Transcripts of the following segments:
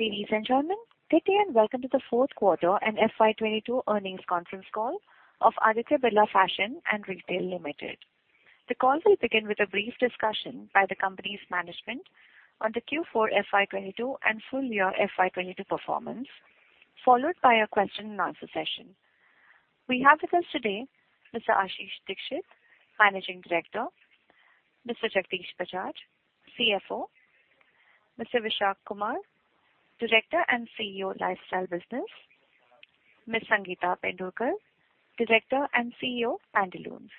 Ladies and gentlemen, good day and welcome to the Q4 and FY 2022 earnings conference call of Aditya Birla Fashion and Retail Limited. The call will begin with a brief discussion by the company's management on the Q4 FY 2022 and full year FY 2022 performance, followed by a question-and-answer session. We have with us today Mr. Ashish Dikshit, Managing Director, Mr. Jagdish Bajaj, CFO, Mr. Vishak Kumar, Director and CEO, Lifestyle Business, Ms. Sangeeta Pendurkar, Director and CEO, Pantaloons.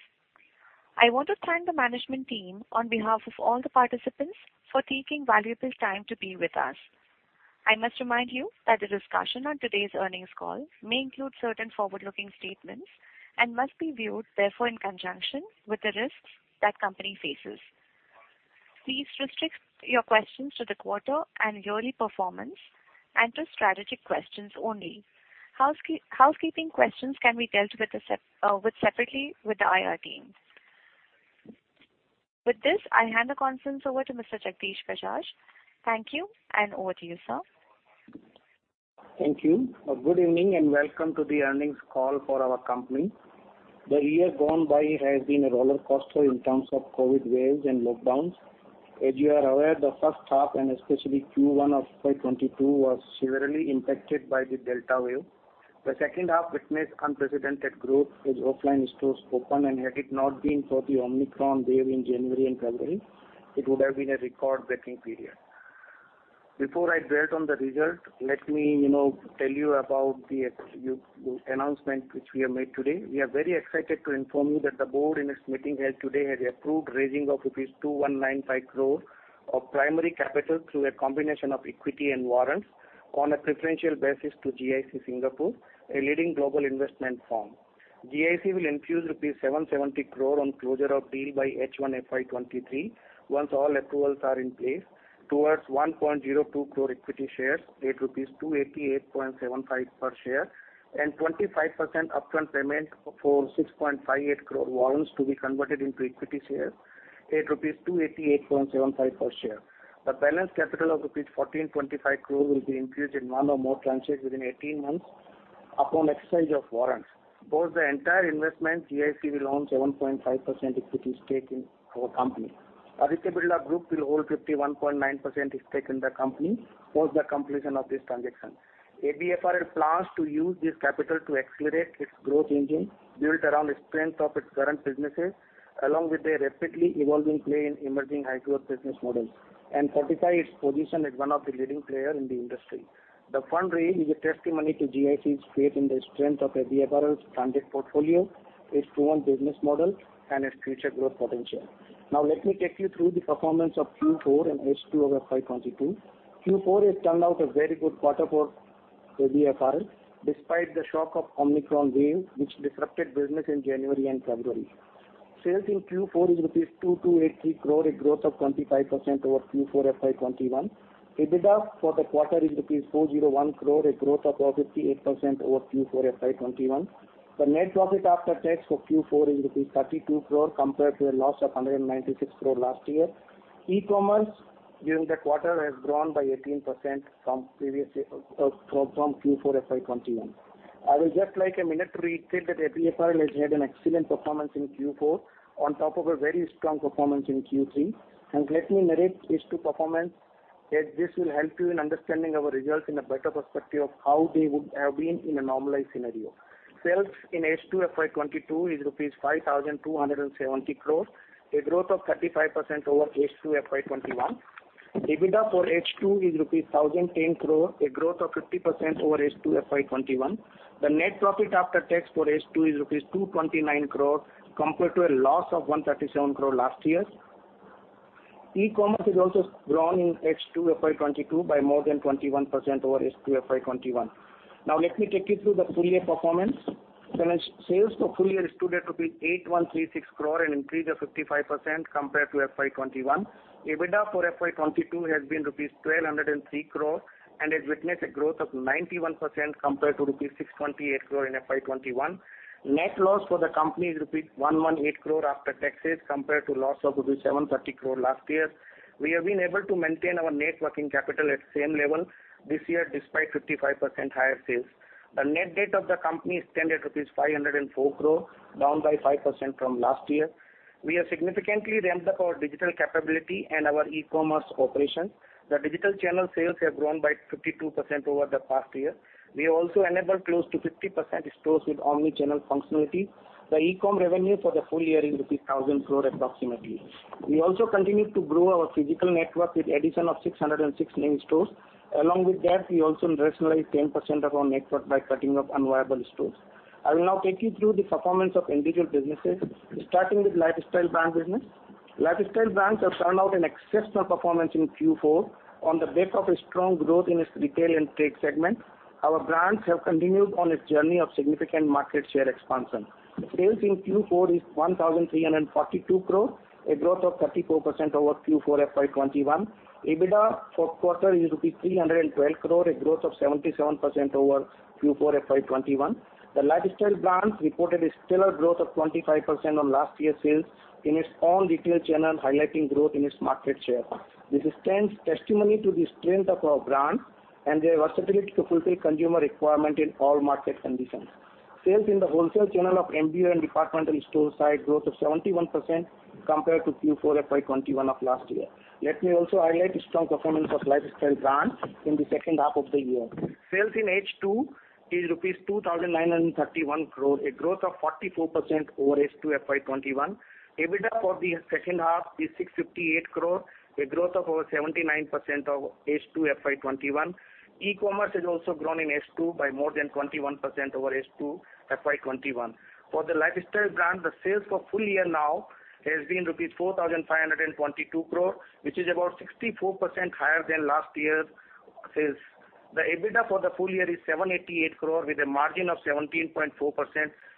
I want to thank the management team on behalf of all the participants for taking valuable time to be with us. I must remind you that the discussion on today's earnings call may include certain forward-looking statements and must be viewed therefore in conjunction with the risks that company faces. Please restrict your questions to the quarter and yearly performance and to strategic questions only. Housekeeping questions can be dealt with separately with the IR team. With this, I hand the conference over to Mr. Jagdish Bajaj. Thank you, and over to you, sir. Thank you. Good evening, and welcome to the earnings call for our company. The year gone by has been a roller coaster in terms of COVID waves and lockdowns. As you are aware, the H1, and especially Q1 of FY 2022, was severely impacted by the Delta wave. The H2 witnessed unprecedented growth as offline stores opened, and had it not been for the Omicron wave in January and February, it would have been a record-breaking period. Before I dwell on the result, let me, you know, tell you about the announcement which we have made today. We are very excited to inform you that the board in its meeting held today has approved raising of rupees 2,195 crore of primary capital through a combination of equity and warrants on a preferential basis to GIC Singapore, a leading global investment firm. GIC will infuse 770 crore rupees on closure of deal by H1 FY 2023 once all approvals are in place towards 1.02 crore equity shares, at 288.75 per share, and 25% upfront payment for 6.58 crore warrants to be converted into equity shares at rupees 288.75 per share. The balance capital of rupees 1,425 crore will be infused in one or more tranches within 18 months upon exercise of warrants. Post the entire investment, GIC will own 7.5% equity stake in our company. Aditya Birla Group will hold 51.9% stake in the company post the completion of this transaction. ABFRL plans to use this capital to accelerate its growth engine built around the strength of its current businesses, along with a rapidly evolving play in emerging high-growth business models, and fortify its position as one of the leading player in the industry. The fundraise is a testimony to GIC's faith in the strength of ABFRL's branded portfolio, its proven business model, and its future growth potential. Now let me take you through the performance of Q4 and H2 of FY 2022. Q4 has turned out a very good quarter for ABFRL, despite the shock of Omicron wave which disrupted business in January and February. Sales in Q4 is rupees 2,283 crore, a growth of 25% over Q4 FY 2021. EBITDA for the quarter is rupees 401 crore, a growth of over 58% over Q4 FY 2021. The net profit after tax for Q4 is rupees 32 crore compared to a loss of 196 crore last year. E-commerce during the quarter has grown by 18% from Q4 FY 2021. I would just like a minute to reiterate that ABFRL has had an excellent performance in Q4 on top of a very strong performance in Q3, and let me narrate H2 performance, as this will help you in understanding our results in a better perspective of how they would have been in a normalized scenario. Sales in H2 FY 2022 is rupees 5,270 crore, a growth of 35% over H2 FY 2021. EBITDA for H2 is rupees 1,010 crore, a growth of 50% over H2 FY 2021. The net profit after tax for H2 is rupees 229 crore compared to a loss of 137 crore last year. E-commerce has also grown in H2 FY 2022 by more than 21% over H2 FY 2021. Now let me take you through the full year performance. The sales for full year stood at rupees 8,136 crore, an increase of 55% compared to FY 2021. EBITDA for FY 2022 has been rupees 1,203 crore and has witnessed a growth of 91% compared to rupees 628 crore in FY 2021. Net loss for the company is rupees 118 crore after taxes compared to loss of rupees 730 crore last year. We have been able to maintain our net working capital at same level this year despite 55% higher sales. The net debt of the company stands at rupees 504 crore, down 5% from last year. We have significantly ramped up our digital capability and our e-commerce operations. The digital channel sales have grown by 52% over the past year. We have also enabled close to 50% stores with omnichannel functionality. The e-com revenue for the full year is rupees 1,000 crore approximately. We also continued to grow our physical network with addition of 606 new stores. Along with that, we also rationalized 10% of our network by cutting off unviable stores. I will now take you through the performance of individual businesses, starting with Lifestyle Brands business. Lifestyle Brands have turned out an exceptional performance in Q4 on the back of a strong growth in its retail and trade segment. Our brands have continued on its journey of significant market share expansion. Sales in Q4 were 1,342 crore, a growth of 34% over Q4 FY 2021. EBITDA for the quarter is rupees 312 crore, a growth of 77% over Q4 FY 2021. The Lifestyle Brands reported a stellar growth of 25% on last year's sales in its own retail channel, highlighting growth in its market share. This stands testimony to the strength of our brands and their versatility to fulfill consumer requirement in all market conditions. Sales in the wholesale channel of MBO and departmental store side growth of 71% compared to Q4 FY 2021 of last year. Let me also highlight the strong performance of Lifestyle Brands in the H2 of the year. Sales in H2 is rupees 2,931 crore, a growth of 44% over H2 FY 2021. EBITDA for the H2 is 658 crore, a growth of over 79% over H2 FY 2021. E-commerce has also grown in H2 by more than 21% over H2 FY 2021. For the Lifestyle Brands, the sales for full year now have been rupees 4,522 crore, which is about 64% higher than last year's sales. The EBITDA for the full year is 788 crore with a margin of 17.4%,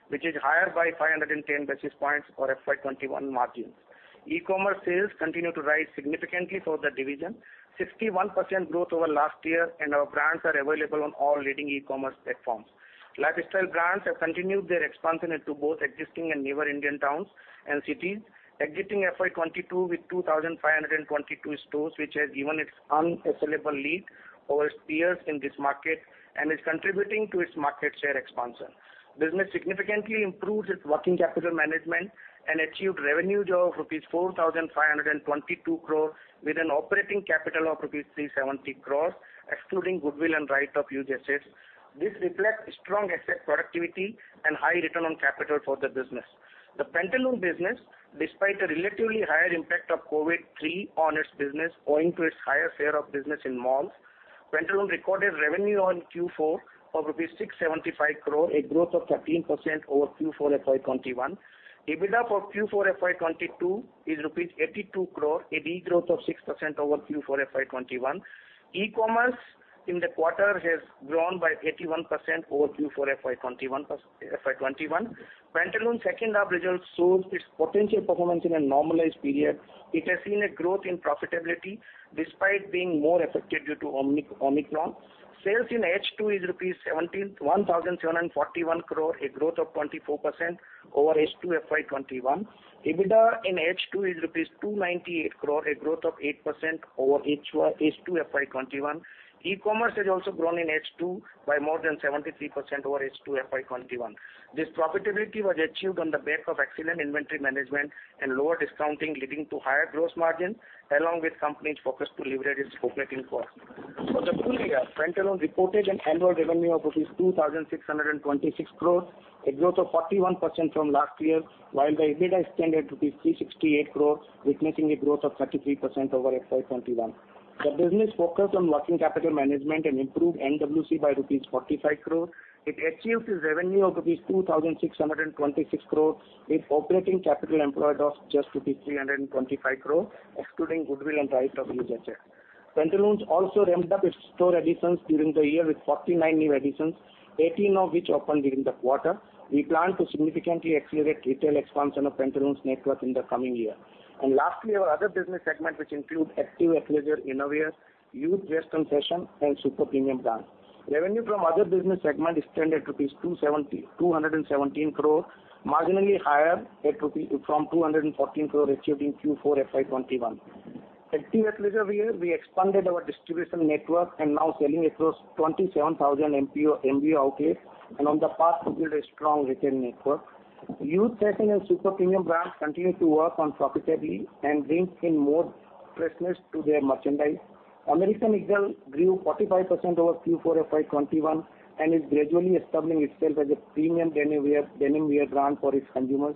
which is higher by 510 basis points over FY 2021 margins. E-commerce sales continue to rise significantly for the division, 61% growth over last year, and our brands are available on all leading e-commerce platforms. Lifestyle Brands have continued their expansion into both existing and newer Indian towns and cities, exiting FY 2022 with 2,522 stores, which has given its unassailable lead over its peers in this market and is contributing to its market share expansion. Business significantly improved its working capital management and achieved revenues of 4,522 crore rupees with an EBITDA of 370 crores rupees, excluding goodwill and right of use assets. This reflects strong asset productivity and high return on capital for the business. The Pantaloons business, despite a relatively higher impact of COVID-19 on its business, owing to its higher share of business in malls, Pantaloons recorded revenue on Q4 of 675 crore rupees, a growth of 13% over Q4 FY 2021. EBITDA for Q4 FY 2022 is rupees 82 crore, a de-growth of 6% over Q4 FY 2021. E-commerce in the quarter has grown by 81% over Q4 FY 2021, past FY 2021. Pantaloons' H2 results show its potential performance in a normalized period. It has seen a growth in profitability despite being more affected due to Omicron. Sales in H2 is 1,741 crore, a growth of 24% over H2 FY 2021. EBITDA in H2 is rupees 298 crore, a growth of 8% over H2 FY 2021. E-commerce has also grown in H2 by more than 73% over H2 FY 2021. This profitability was achieved on the back of excellent inventory management and lower discounting, leading to higher gross margin, along with company's focus to leverage its operating cost. For the full year, Pantaloons reported an annual revenue of rupees 2,626 crore, a growth of 41% from last year, while the EBITDA extended to rupees 368 crore, witnessing a growth of 33% over FY 2021. The business focused on working capital management and improved NWC by rupees 45 crore. It achieved this revenue of rupees 2,626 crore, with operating capital employed of just rupees 325 crore, excluding goodwill and right of use assets. Pantaloons also ramped up its store additions during the year with 49 new additions, 18 of which opened during the quarter. We plan to significantly accelerate retail expansion of Pantaloons network in the coming year. Lastly, our other business segment, which include Active Athleisure, Innovators, Youth Dress Concession and Super Premium Brands. Revenue from other business segment extended 217 crore, marginally higher than 214 crore rupees achieved in Q4 FY 2021. Active Athleisure, we expanded our distribution network and now selling across 27,000 MBO outlets and on the path to build a strong retail network. Youth Fashion and Super Premium Brands continue to work on profitability and bring in more freshness to their merchandise. American Eagle grew 45% over Q4 FY 2021 and is gradually establishing itself as a premium denim wear brand for its consumers.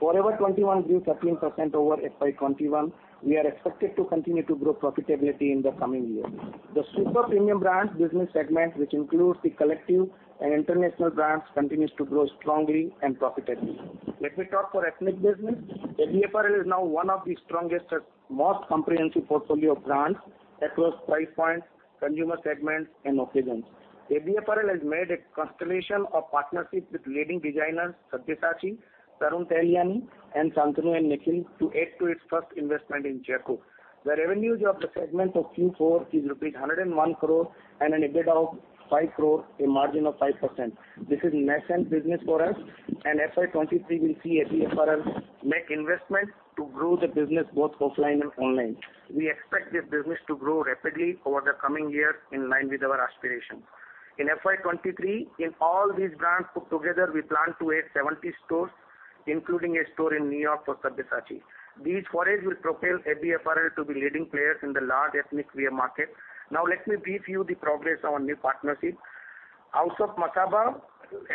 Forever 21 grew 13% over FY 2021. We are expected to continue to grow profitability in the coming years. The Super Premium Brands business segment, which includes The Collective and international brands, continues to grow strongly and profitably. Let me talk for Ethnic business. ABFRL is now one of the strongest and most comprehensive portfolios of brands across price points, consumer segments and occasions. ABFRL has made a constellation of partnerships with leading designers Sabyasachi, Tarun Tahiliani, and Shantanu & Nikhil to add to its first investment in Jaypore. The revenues of the segment of Q4 are rupees 101 crore and an EBITDA of 5 crore, a margin of 5%. This is nascent business for us, and FY 2023 will see ABFRL make investments to grow the business both offline and online. We expect this business to grow rapidly over the coming year in line with our aspiration. In FY 2023, in all these brands put together, we plan to add 70 stores, including a store in New York for Sabyasachi. These forays will propel ABFRL to be leading player in the large ethnic wear market. Now let me brief you the progress on new partnerships. House of Masaba,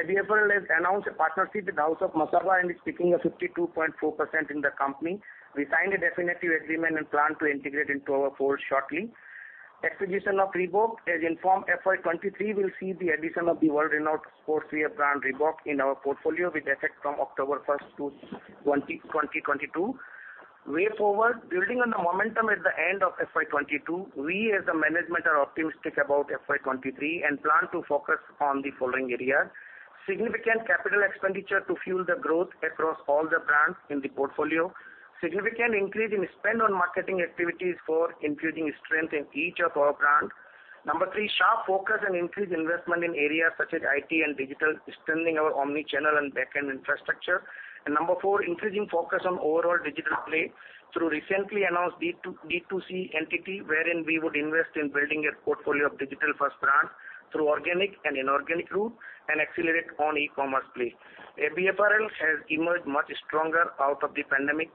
ABFRL has announced a partnership with House of Masaba and is taking a 52.4% in the company. We signed a definitive agreement and plan to integrate into our fold shortly. Acquisition of Reebok, as informed, FY 2023 will see the addition of the world-renowned sportswear brand, Reebok, in our portfolio with effect from October 1st, 2022. Way forward, building on the momentum at the end of FY 2022, we as a management are optimistic about FY 2023 and plan to focus on the following areas. Significant capital expenditure to fuel the growth across all the brands in the portfolio. Significant increase in spend on marketing activities for improving strength in each of our brands. Number three, sharp focus on increased investment in areas such as IT and digital, extending our omnichannel and backend infrastructure. Number four, increasing focus on overall digital play through recently announced D2C entity, wherein we would invest in building a portfolio of digital first brands through organic and inorganic route and accelerate on e-commerce play. ABFRL has emerged much stronger out of the pandemic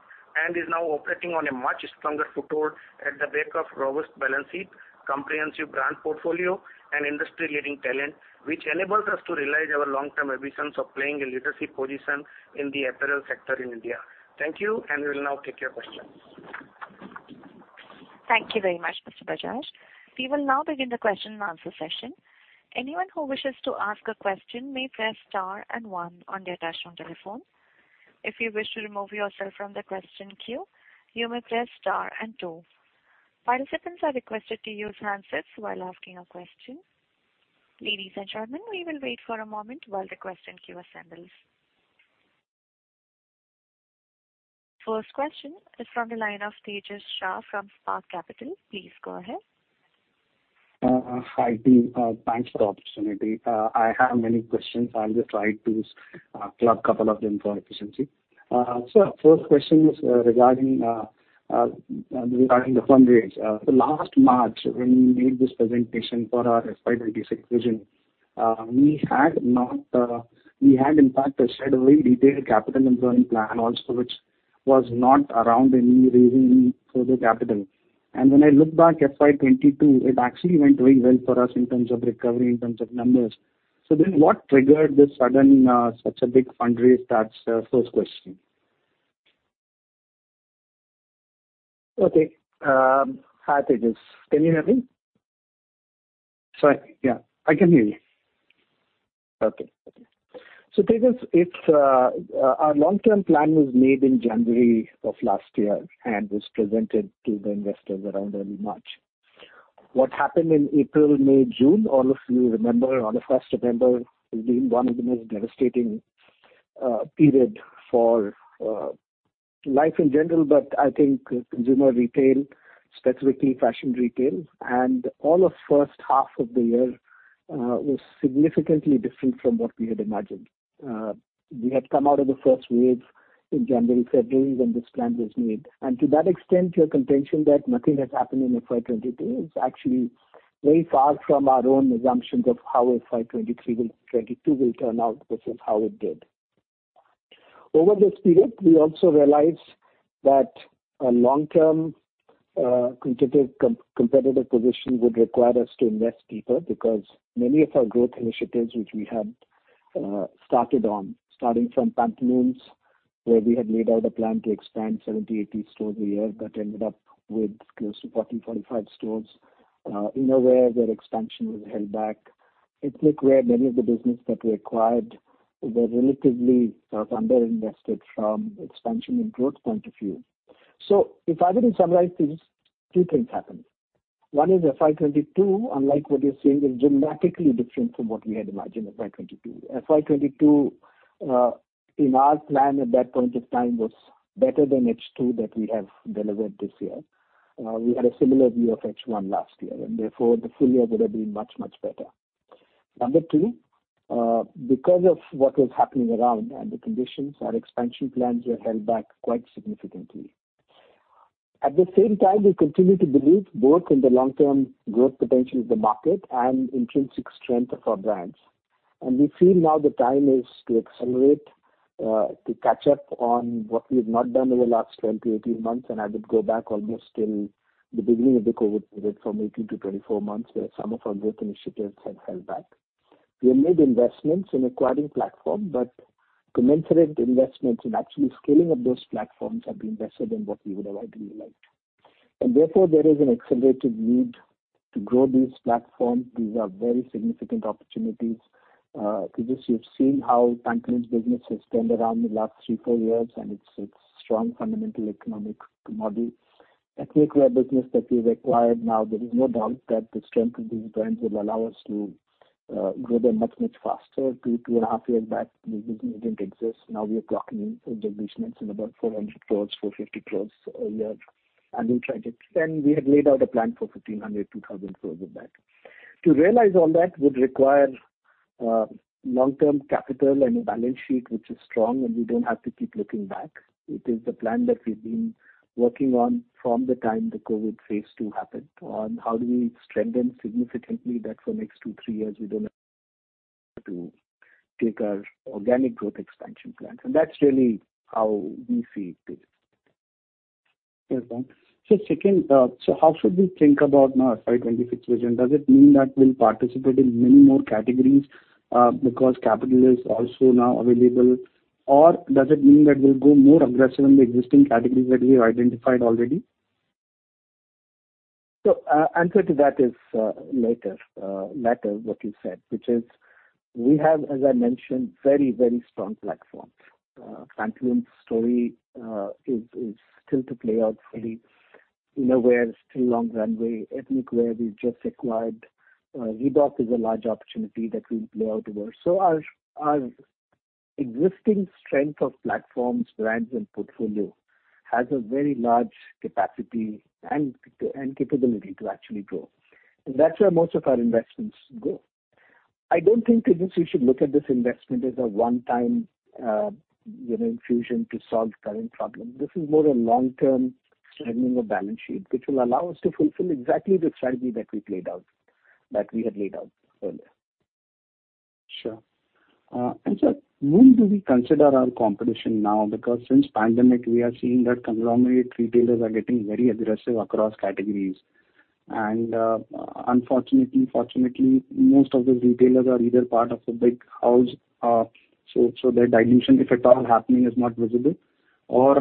and is now operating on a much stronger foothold at the back of robust balance sheet, comprehensive brand portfolio and industry-leading talent, which enables us to realize our long-term ambitions of playing a leadership position in the apparel sector in India. Thank you, and we will now take your questions. Thank you very much, Mr. Bajaj. We will now begin the question and answer session. Anyone who wishes to ask a question may press star and one on their touchtone telephone. If you wish to remove yourself from the question queue, you may press star and two. Participants are requested to use handsets while asking a question. Ladies and gentlemen, we will wait for a moment while the question queue assembles. First question is from the line of Tejash Shah from Spark Capital. Please go ahead. Hi, team. Thanks for the opportunity. I have many questions. I'll just try to club couple of them for efficiency. First question is regarding the fundraise. Last March, when you made this presentation for our FY 26 vision, we had in fact said a very detailed capital employment plan also which was not around any raising further capital. When I look back FY 22, it actually went very well for us in terms of recovery, in terms of numbers. What triggered this sudden such a big fundraise? That's first question. Okay. Hi, Tejash. Can you hear me? Sorry, yeah, I can hear you. Okay. Tejash, our long-term plan was made in January of last year and was presented to the investors around early March. What happened in April, May, June, all of you remember, all of us remember, has been one of the most devastating periods for life in general, but I think consumer retail, specifically fashion retail, and all of H1 of the year was significantly different from what we had imagined. We had come out of the first wave in January, February, when this plan was made. To that extent, your contention that nothing has happened in FY 2022 is actually very far from our own assumptions of how FY 2022 will turn out versus how it did. Over this period, we also realized that a long-term, competitive position would require us to invest deeper because many of our growth initiatives which we had started on, starting from Pantaloons, where we had laid out a plan to expand 70-80 stores a year, that ended up with close to 40-45 stores. Innerwear, their expansion was held back. Ethnic Wear, many of the business that we acquired were relatively sort of underinvested from expansion and growth point of view. If I were to summarize this, two things happened. One is FY 2022, unlike what you're seeing, is dramatically different from what we had imagined FY 2022. FY 2022, in our plan at that point of time was better than H2 that we have delivered this year. We had a similar view of H1 last year, and therefore the full year would have been much, much better. Number two, because of what was happening around and the conditions, our expansion plans were held back quite significantly. At the same time, we continue to believe both in the long-term growth potential of the market and intrinsic strength of our brands. We feel now the time is to accelerate, to catch up on what we've not done over the last 12-18 months, and I would go back almost till the beginning of the COVID period from 18-24 months, where some of our growth initiatives had held back. We have made investments in acquiring platform, but commensurate investments in actually scaling up those platforms have been lesser than what we would have ideally liked. Therefore, there is an accelerated need to grow these platforms. These are very significant opportunities. Tejas, you've seen how Pantaloons business has turned around in the last 3-4 years, and it's strong fundamental economic model. Ethnic Wear business that we've acquired, now there is no doubt that the strength of these brands will allow us to grow them much faster. 2.5 years back, this business didn't exist. Now we are talking in terms of business in about 400 crores, 450 crores a year. We had laid out a plan for 1,500-2,000 crores of that. To realize all that would require long-term capital and a balance sheet which is strong, and we don't have to keep looking back. It is the plan that we've been working on from the time the COVID phase two happened, on how do we strengthen significantly that for next two to three years, we don't have to take our organic growth expansion plans. That's really how we see it. Yes. Second, how should we think about now FY 2026 vision? Does it mean that we'll participate in many more categories, because capital is also now available? Or does it mean that we'll go more aggressive in the existing categories that we have identified already? Answer to that is latter what you said, which is we have, as I mentioned, very, very strong platforms. Pantaloons story is still to play out fully. Innerwear is still long runway. Ethnic Wear we just acquired. Reebok is a large opportunity that will play out over. Our existing strength of platforms, brands and portfolio has a very large capacity and capability to actually grow. That's where most of our investments go. I don't think, Tejash, you should look at this investment as a one-time, you know, infusion to solve current problem. This is more a long-term strengthening of balance sheet, which will allow us to fulfill exactly the strategy that we've laid out earlier. Sure. Sir, who do we consider our competition now? Because since pandemic, we are seeing that conglomerate retailers are getting very aggressive across categories. Unfortunately, fortunately, most of those retailers are either part of the big house, so their dilution, if at all happening, is not visible, or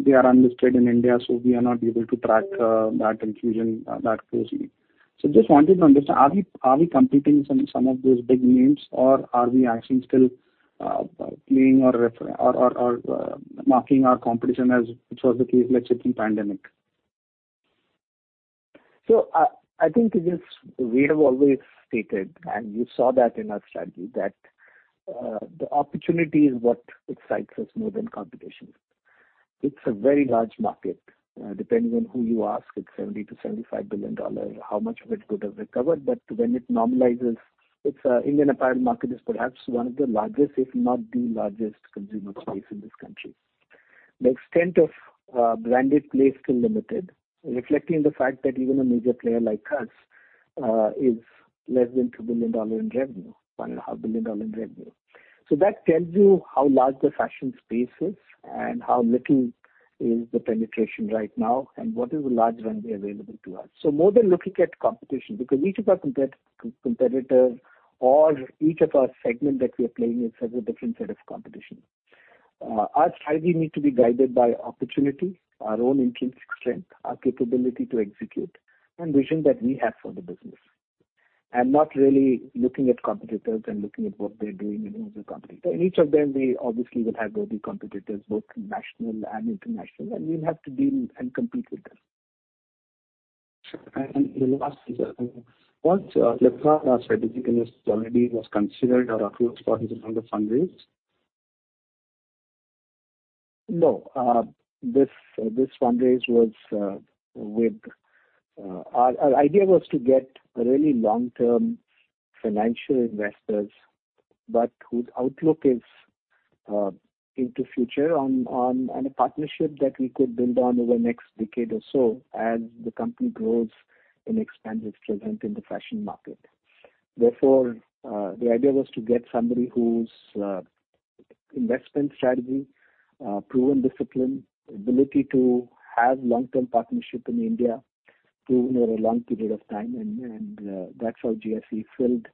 they are unlisted in India, so we are not able to track that infusion that closely. Just wanted to understand, are we competing some of those big names, or are we actually still playing or marking our competition as which was the case, let's say, in pandemic? I think, Tejas, we have always stated, and you saw that in our strategy that, the opportunity is what excites us more than competition. It's a very large market. Depending on who you ask, it's $70-$75 billion. How much of it could have recovered? When it normalizes, it's, Indian apparel market is perhaps one of the largest, if not the largest consumer space in this country. The extent of, branded play is still limited, reflecting the fact that even a major player like us, is less than $2 billion in revenue, $1.5 billion in revenue. That tells you how large the fashion space is and how little is the penetration right now, and what is the large runway available to us. More than looking at competition, because each of our competitors or each of our segment that we are playing in serves a different set of competition. Our strategy need to be guided by opportunity, our own intrinsic strength, our capability to execute and vision that we have for the business, and not really looking at competitors and looking at what they're doing and who's the competitor. Each of them, they obviously will have their competitors, both national and international, and we'll have to deal and compete with them. Sure. The last one, sir. Was Flipkart strategic investor already considered or approached for this round of fundraise? This fundraise was our idea to get really long-term financial investors, but whose outlook is into future on and a partnership that we could build on over the next decade or so as the company grows and expands its strength in the fashion market. Therefore, the idea was to get somebody whose investment strategy proven discipline, ability to have long-term partnership in India proven over a long period of time and that's how GIC filled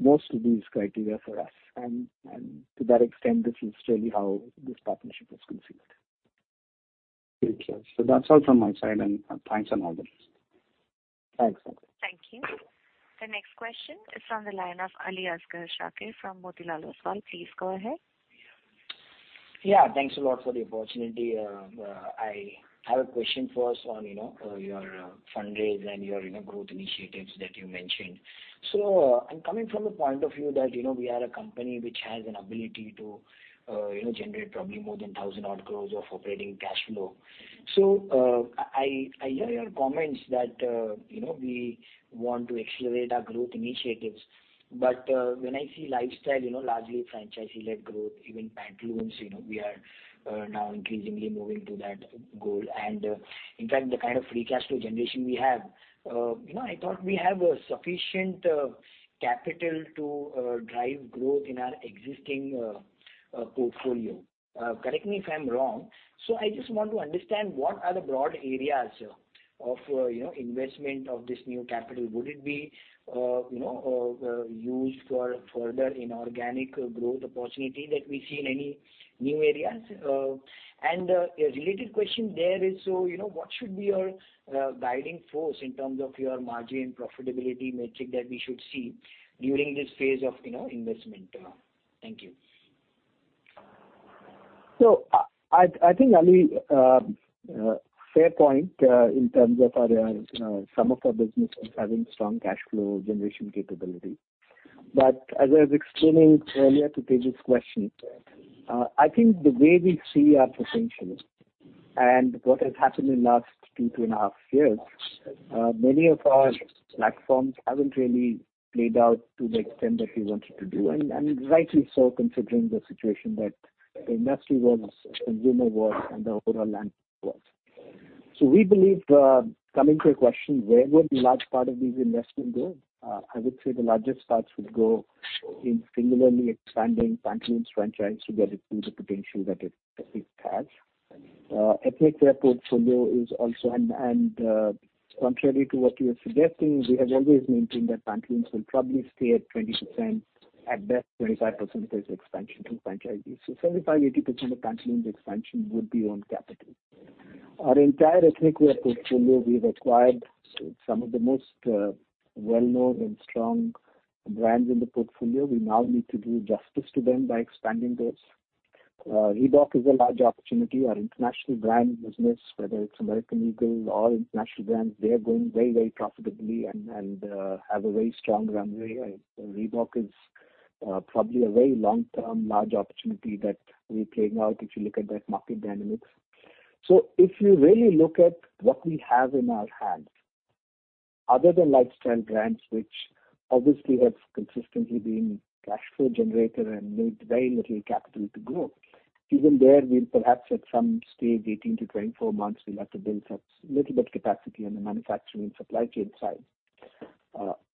most of these criteria for us. To that extent, this is really how this partnership was conceived. Thank you. That's all from my side, and thanks and all the best. Thanks. Thank you. The next question is from the line of Aliasgar Shakir from Motilal Oswal. Please go ahead. Yeah. Thanks a lot for the opportunity. I have a question first on, you know, your fundraise and your, you know, growth initiatives that you mentioned. I'm coming from the point of view that, you know, we are a company which has an ability to, you know, generate probably more than 1,000-odd crores of operating cash flow. I hear your comments that, you know, we want to accelerate our growth initiatives. When I see Lifestyle, you know, largely franchisee-led growth, even Pantaloons, you know, we are now increasingly moving to that model. In fact, the kind of free cash flow generation we have, you know, I thought we have sufficient capital to drive growth in our existing portfolio. Correct me if I'm wrong. I just want to understand what are the broad areas of, you know, investment of this new capital? Would it be, you know, used for further inorganic growth opportunity that we see in any new areas? And a related question there is, you know, what should be your, guiding force in terms of your margin profitability metric that we should see during this phase of, you know, investment? Thank you. I think, Aliasgar, fair point in terms of our some of our businesses having strong cash flow generation capability. As I was explaining earlier to Tejash's question, I think the way we see our potential and what has happened in last two and a half years, many of our platforms haven't really played out to the extent that we wanted to do, and rightly so, considering the situation that the industry was, consumer was, and the overall landscape was. We believe, coming to your question, where would the large part of these investment go? I would say the largest parts would go in singularly expanding Pantaloons franchise to get it to the potential that it has. Ethnic wear portfolio is also. Contrary to what you're suggesting, we have always maintained that Pantaloons will probably stay at 20%, at best 25% of its expansion through franchising. 75%-80% of Pantaloons expansion would be own capital. Our entire ethnic wear portfolio we've acquired some of the most well-known and strong brands in the portfolio. We now need to do justice to them by expanding those. Reebok is a large opportunity. Our international brand business, whether it's American Eagle or international brands, they are growing very, very profitably and have a very strong runway. Reebok is probably a very long-term large opportunity that we're playing out if you look at that market dynamics. If you really look at what we have in our hands, other than Lifestyle Brands, which obviously has consistently been cash flow generator and need very little capital to grow, even there we perhaps at some stage 18-24 months, we'll have to build up a little bit capacity on the manufacturing supply chain side.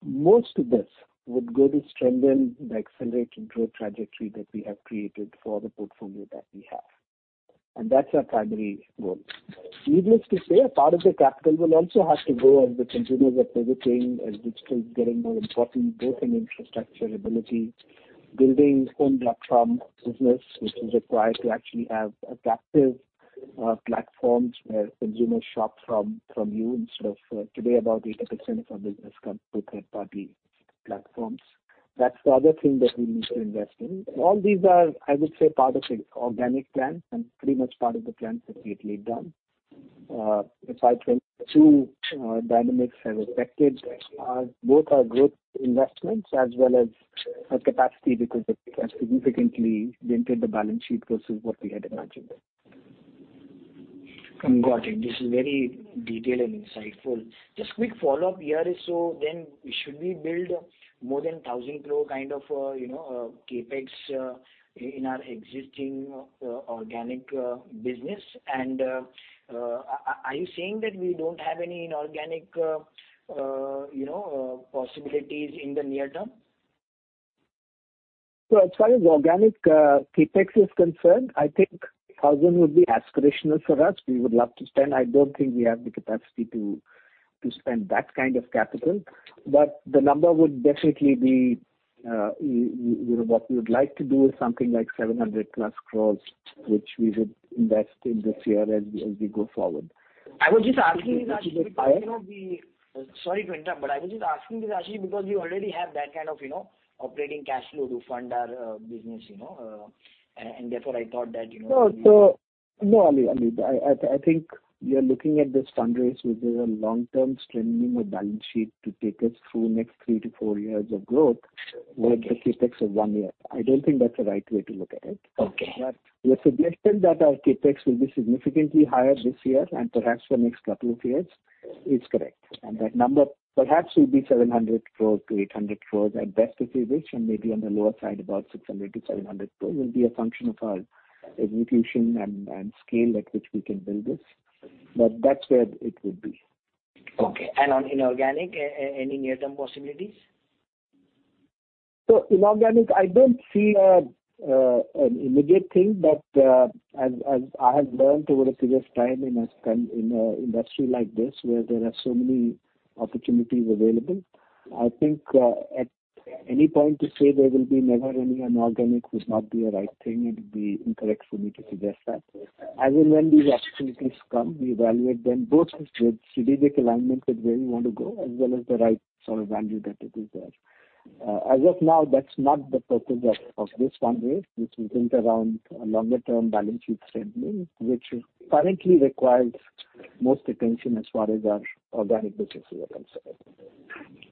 Most of this would go to strengthen the accelerated growth trajectory that we have created for the portfolio that we have. That's our primary goal. Needless to say, a part of the capital will also have to go as the consumers are pivoting and digital is getting more important, both in infrastructure ability, building own platform business, which is required to actually have adaptive platforms where consumers shop from you instead of today, about 80% of business come through third-party platforms. That's the other thing that we need to invest in. All these are, I would say, part of the organic plan and pretty much part of the plan successfully done. Dynamics have affected our both our growth investments as well as our capacity because it has significantly dented the balance sheet versus what we had imagined. Got it. This is very detailed and insightful. Just quick follow-up here: should we build more than 1,000 crore kind of CapEx in our existing organic business? Are you saying that we don't have any inorganic possibilities in the near term? As far as organic CapEx is concerned, I think 1,000 would be aspirational for us. We would love to spend. I don't think we have the capacity to spend that kind of capital. The number would definitely be what we would like to do is something like 700+ crores, which we would invest in this year as we go forward. I was just asking, Ashish, you know. Sorry to interrupt, but I was just asking this, Ashish, because we already have that kind of, you know, operating cash flow to fund our business, you know, and therefore I thought that, you know. No, Ali, I think we are looking at this fundraise, which is a long-term strengthening of balance sheet to take us through next three to four years of growth with the CapEx of one year. I don't think that's the right way to look at it. Okay. Your suggestion that our CapEx will be significantly higher this year and perhaps for next couple of years is correct. That number perhaps will be 700-800 crore at best if we wish, and maybe on the lower side, about 600-700 crore, will be a function of our execution and scale at which we can build this. That's where it would be. Okay. On inorganic, any near-term possibilities? Inorganic, I don't see an immediate thing. As I have learned over the previous time in an industry like this where there are so many opportunities available, I think at any point to say there will be never any inorganic would not be a right thing. It would be incorrect for me to suggest that. As and when these opportunities come, we evaluate them both with strategic alignment with where we want to go, as well as the right sort of value that it is there. As of now, that's not the purpose of this fundraise, which we think around a longer-term balance sheet strengthening, which currently requires most attention as far as our organic businesses are concerned.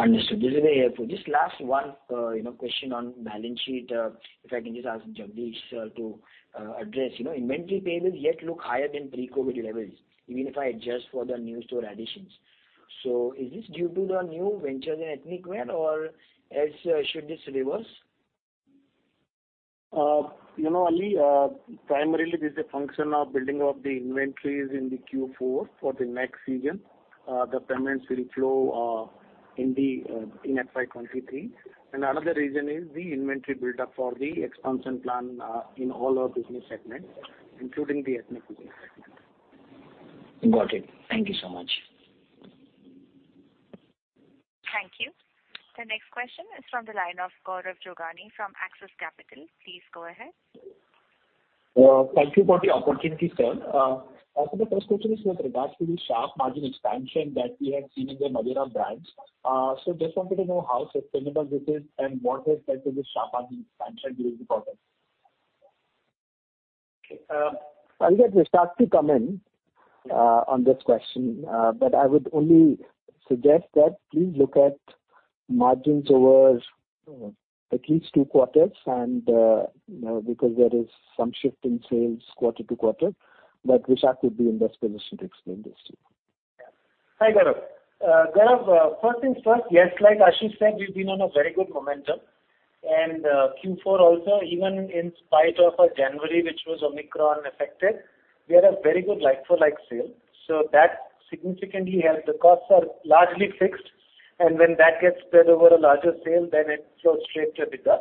Understood. This is very helpful. Just last one, you know, question on balance sheet, if I can just ask Jagdish to address. You know, inventory payables yet look higher than pre-COVID levels, even if I adjust for the new store additions. Is this due to the new ventures in ethnic wear or else should this reverse? You know, Ali, primarily this is a function of building up the inventories in the Q4 for the next season. The payments will flow in FY23. Another reason is the inventory buildup for the expansion plan in all our business segments, including the ethnic business segment. Got it. Thank you so much. Thank you. The next question is from the line of Gaurav Jogani from Axis Capital. Please go ahead. Thank you for the opportunity, sir. Also the first question is with regards to the sharp margin expansion that we have seen in the Madura brands. Just wanted to know how sustainable this is and what has led to this sharp margin expansion during the quarter? I'll let Vishak to comment on this question, but I would only suggest that please look at margins over at least two quarters and, you know, because there is some shift in sales quarter to quarter. Vishak would be in best position to explain this to you. Hi, Gaurav. Gaurav, first things first, yes, like Ashish said, we've been on a very good momentum. Q4 also, even in spite of a January which was Omicron affected, we had a very good like for like sale. That significantly helped. The costs are largely fixed, and when that gets spread over a larger sale then it flows straight to EBITDA.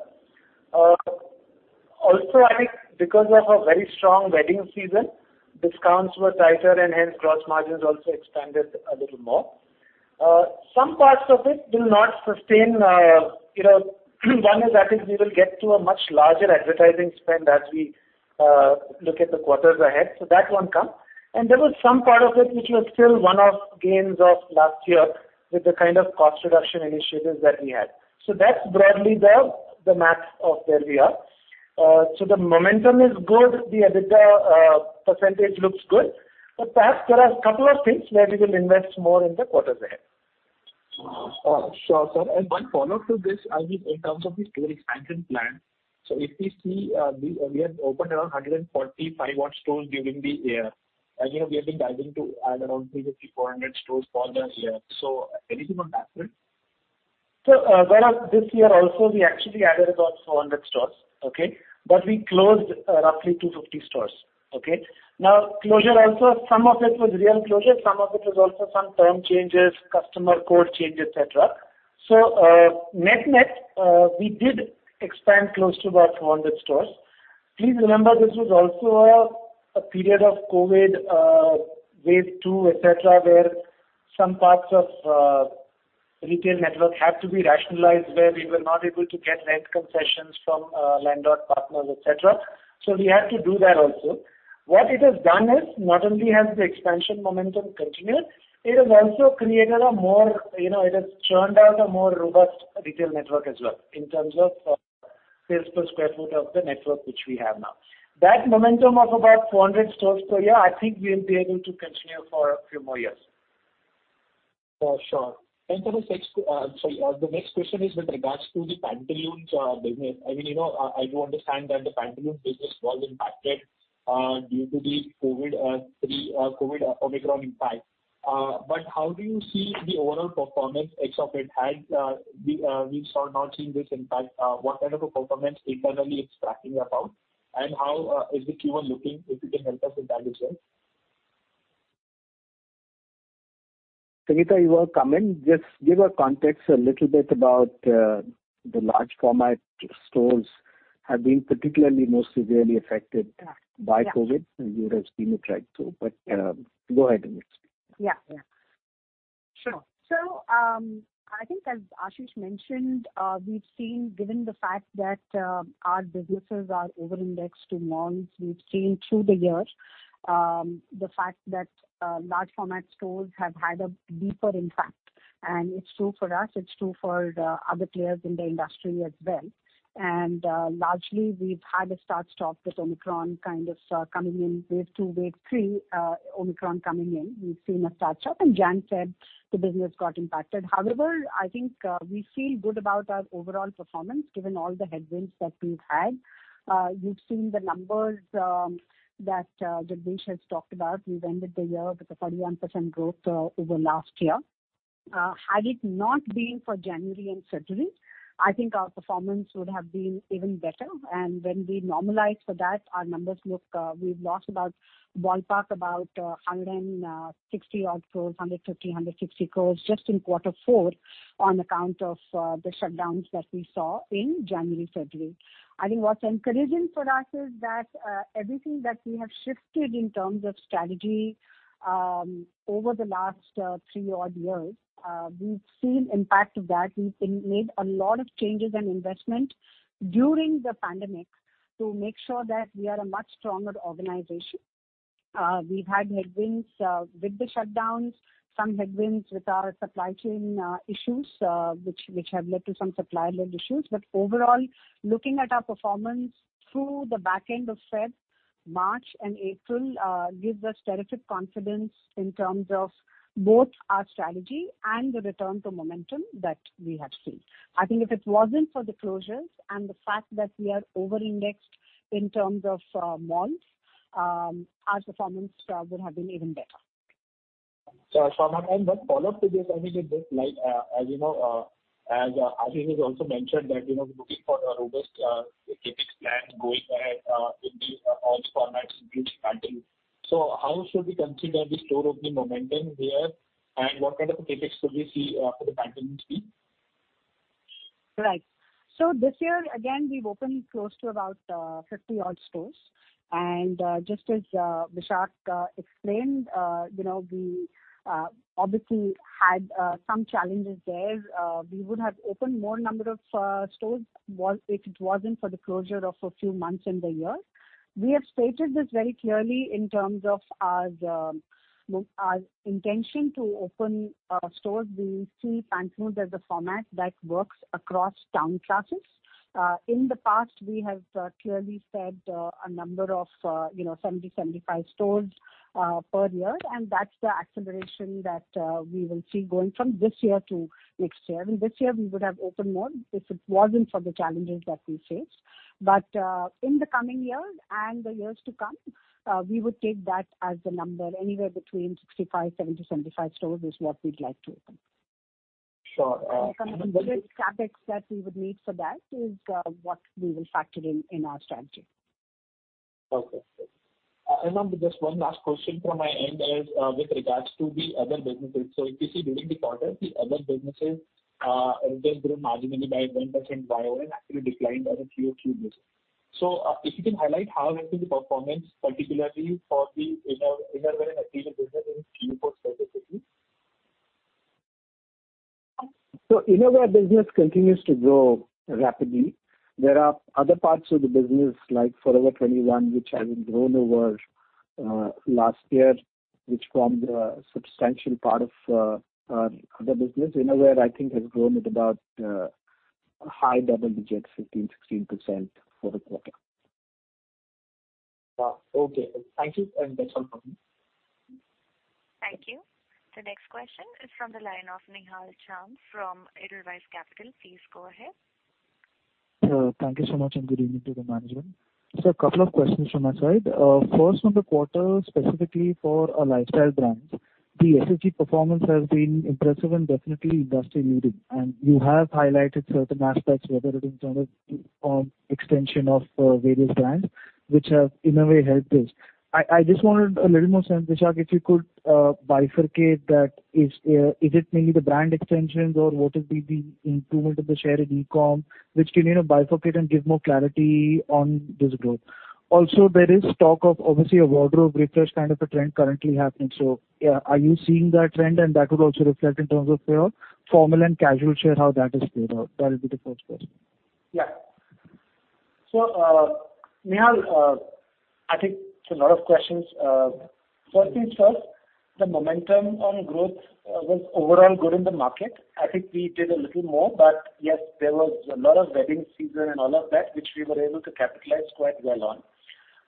Also I think because of a very strong wedding season, discounts were tighter and hence gross margins also expanded a little more. Some parts of it will not sustain. You know, one is I think we will get to a much larger advertising spend as we look at the quarters ahead. That one come. There was some part of it which was still one-off gains of last year with the kind of cost reduction initiatives that we had. That's broadly the math of where we are. The momentum is good, the EBITDA percentage looks good, but perhaps there are a couple of things where we will invest more in the quarters ahead. Sure, sir. One follow-up to this, I mean, in terms of the store expansion plan. If we see, we have opened around 145 odd stores during the year. Again, we have been guiding to add around 350, 400 stores for the year. Anything on that front? Gaurav Jogani, this year also we actually added about 400 stores. Okay? We closed roughly 250 stores. Okay? Now closure also, some of it was real closure, some of it was also some term changes, customer code change, et cetera. net-net, we did expand close to about 400 stores. Please remember this was also a period of COVID, wave two, et cetera, where some parts of retail network had to be rationalized, where we were not able to get rent concessions from landlord partners, et cetera. We had to do that also. What it has done is not only has the expansion momentum continued, it has also created a more, you know, it has churned out a more robust retail network as well in terms of sales per sq ft of the network which we have now. That momentum of about 400 stores per year, I think we'll be able to continue for a few more years. For sure. Sorry, the next question is with regards to the Pantaloons business. I mean, you know, I do understand that the Pantaloons business was impacted due to the COVID-19, Omicron impact. How do you see the overall performance as if it has not seen this impact. What kind of a performance internally it's tracking about, and how the team is looking, if you can help us with that as well. Sangeeta, you want to come in? Just give a context a little bit about, the large format stores have been particularly most severely affected- Yeah. -by COVID, and you would have seen it, right? Go ahead and explain. Yeah. Yeah. Sure. I think as Ashish mentioned, we've seen, given the fact that our businesses are over-indexed to malls, we've seen through the year the fact that large format stores have had a deeper impact. It's true for us, it's true for the other players in the industry as well. Largely, we've had a start-stop with Omicron kind of coming in wave two, wave three, Omicron coming in. We've seen a start-stop, and as said the business got impacted. However, I think we feel good about our overall performance given all the headwinds that we've had. You've seen the numbers that Jagdish has talked about. We've ended the year with a 41% growth over last year. Had it not been for January and February, I think our performance would have been even better. When we normalize for that, our numbers look. We've lost about ballpark 150-160 crore just in quarter four on account of the shutdowns that we saw in January, February. I think what's encouraging for us is that everything that we have shifted in terms of strategy over the last three odd years, we've seen impact of that. We've made a lot of changes and investment during the pandemic to make sure that we are a much stronger organization. We've had headwinds with the shutdowns, some headwinds with our supply chain issues, which have led to some supply-led issues. Overall, looking at our performance through the back end of February, March and April, gives us terrific confidence in terms of both our strategy and the return to momentum that we have seen. I think if it wasn't for the closures and the fact that we are over-indexed in terms of malls, our performance would have been even better. Sure. One follow-up to this, I mean, with this, like, as you know, as Ashish has also mentioned that, you know, looking for a robust CapEx plan going ahead in all formats, including Pantaloons. How should we consider the store opening momentum here, and what kind of CapEx could we see for the Pantaloons team? Right. This year again, we've opened close to about 50-odd stores. Just as Vishak explained, you know, we obviously had some challenges there. We would have opened more number of stores if it wasn't for the closure of a few months in the year. We have stated this very clearly in terms of our intention to open stores. We see Pantaloons as a format that works across town classes. In the past we have clearly said a number of, you know, 70-75 stores per year, and that's the acceleration that we will see going from this year to next year. I mean, this year we would have opened more if it wasn't for the challenges that we faced. In the coming years and the years to come, we would take that as the number anywhere between 65, 70, 75 stores is what we'd like to open. Sure. The CapEx that we would need for that is what we will factor in our strategy. Just one last question from my end is, with regards to the other businesses. If you see during the quarter, the other businesses, it has grown marginally by 1% year-over-year and actually declined on a quarter-over-quarter basis. If you can highlight how has been the performance, particularly for the Innerwear and Apparel business and Q4 specifically. Innerwear business continues to grow rapidly. There are other parts of the business like Forever 21, which hasn't grown over last year, which formed a substantial part of the business. Innerwear, I think, has grown at about high double digits, 15%-16% for the quarter. Okay. Thank you, and that's all from me. Thank you. The next question is from the line of Nihal Jham from Edelweiss Capital. Please go ahead. Sir, thank you so much, and good evening to the management. A couple of questions from my side. First on the quarter, specifically for our lifestyle brands, the SSG performance has been impressive and definitely industry leading. You have highlighted certain aspects, whether it is on extension of various brands which have in a way helped this. I just wanted a little more sense, Vishak, if you could bifurcate that, is it maybe the brand extensions or what is the improvement of the share in e-com, which can, you know, bifurcate and give more clarity on this growth? Also, there is talk of obviously a wardrobe refresh kind of a trend currently happening. Yeah, are you seeing that trend? That would also reflect in terms of your formal and casual share, how that is played out. That will be the first question. Yeah. Nihal, I think it's a lot of questions. First things first, the momentum on growth was overall good in the market. I think we did a little more, but yes, there was a lot of wedding season and all of that which we were able to capitalize quite well on.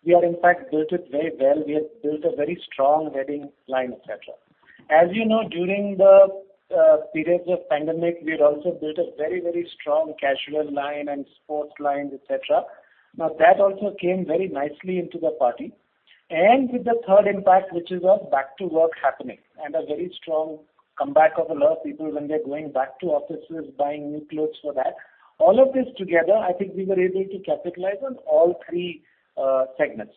We in fact built it very well. We have built a very strong wedding line, et cetera. As you know, during the periods of pandemic, we had also built a very, very strong casual line and sports lines, et cetera. Now, that also came very nicely into the party. With the third impact, which is a back to work happening and a very strong comeback of a lot of people when they're going back to offices, buying new clothes for that, all of this together, I think we were able to capitalize on all three segments.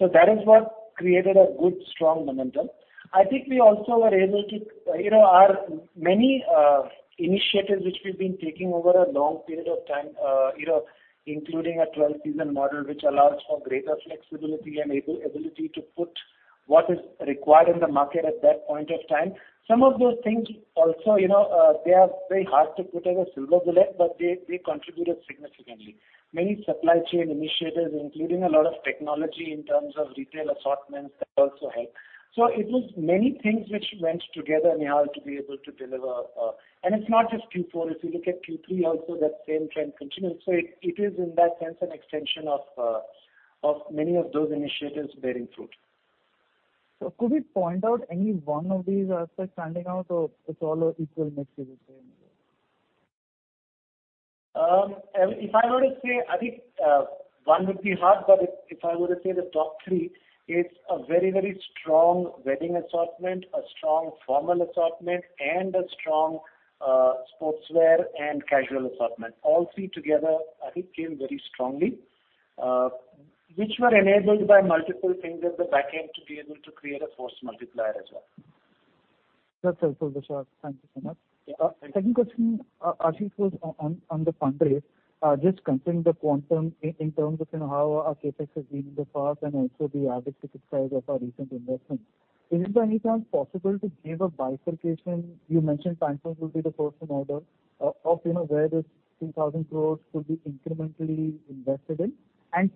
That is what created a good, strong momentum. I think we also were able to. You know, our many initiatives which we've been taking over a long period of time, you know, including a 12-season model which allows for greater flexibility and ability to put what is required in the market at that point of time. Some of those things also, you know, they are very hard to put as a silver bullet, but they contributed significantly. Many supply chain initiatives, including a lot of technology in terms of retail assortments that also helped. It was many things which went together, Nihal, to be able to deliver. It's not just Q4. If you look at Q3 also, that same trend continues. It is in that sense an extension of many of those initiatives bearing fruit. Could we point out any one of these aspects standing out, or it's all equal mix as you say? If I were to say, I think, one would be hard, but if I were to say the top three, it's a very, very strong wedding assortment, a strong formal assortment, and a strong sportswear and casual assortment. All three together I think came very strongly, which were enabled by multiple things at the back end to be able to create a force multiplier as well. That's helpful, Vishal. Thank you so much. Yeah. Second question, Ashish, was on the fundraise. Just considering the quantum in terms of, you know, how our CapEx has been in the past and also the average ticket size of our recent investments, is it by any chance possible to give a bifurcation? You mentioned Pantaloons will be the first in order. Of you know where this 2,000 crore could be incrementally invested in.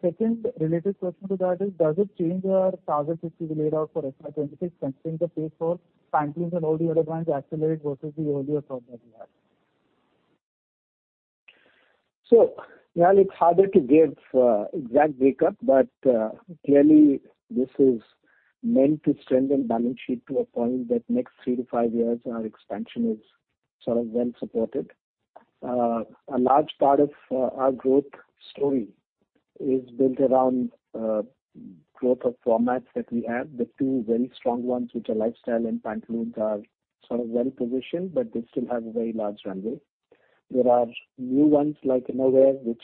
Second related question to that is, does it change our targets which we laid out for FY 2026, considering the pace for Pantaloons and all the other brands accelerate versus the earlier thought that we had? Nihal, it's harder to give exact breakup, but clearly this is meant to strengthen balance sheet to a point that next three to five years our expansion is sort of well supported. A large part of our growth story is built around growth of formats that we have. The two very strong ones, which are Lifestyle and Pantaloons, are sort of well positioned, but they still have a very large runway. There are new ones like Innerwear, which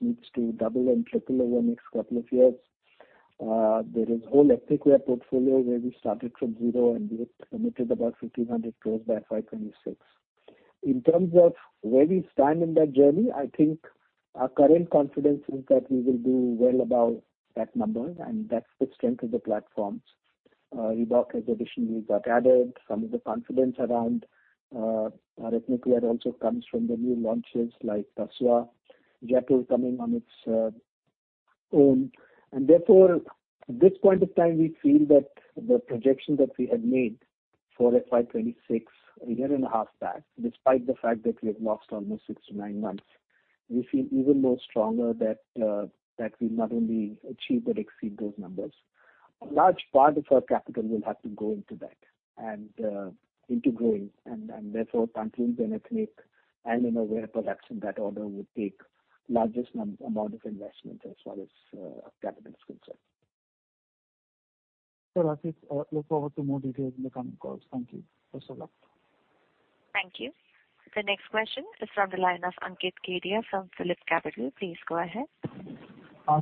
needs to double and triple over the next couple of years. There is whole ethnic wear portfolio where we started from zero and we have committed about 1,500 crores by FY 2026. In terms of where we stand in that journey, I think our current confidence is that we will do well above that number, and that's the strength of the platforms. Reebok has additionally got added. Some of the confidence around our ethnic wear also comes from the new launches like Tasva. Jockey coming on its own. Therefore, at this point of time, we feel that the projection that we had made for FY 2026 a year and a half back, despite the fact that we have lost almost six to nine months, we feel even more stronger that we not only achieve but exceed those numbers. A large part of our capital will have to go into that and into growing and therefore Pantaloons and Ethnic and Innerwear production. That order would take largest amount of investment as far as capital is concerned. Ashish, I look forward to more details in the coming calls. Thank you. Best of luck. Thank you. The next question is from the line of Ankit Kedia from Phillip Capital. Please go ahead.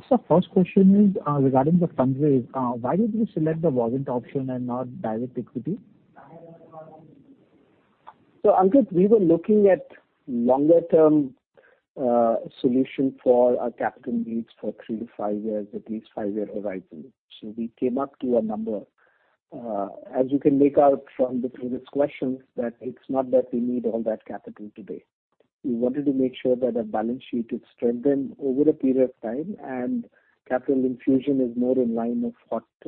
Sir, first question is, regarding the fundraise. Why did you select the warrant option and not direct equity? Ankit, we were looking at long-term solution for our capital needs for three to five years, at least five-year horizon. We came up with a number. As you can make out from the previous questions, that it's not that we need all that capital today. We wanted to make sure that our balance sheet is strengthened over a period of time, and capital infusion is more in line with